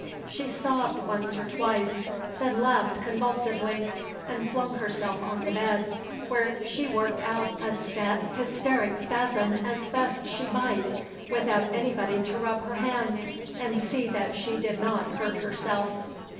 She sobbed once or twice, then laughed convulsively; and flung herself on the bed, where she worked out a set hysteric spasm as she best might, without anybody to rub her hands and see that she did not hurt herself.